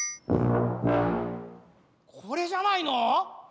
これじゃないの？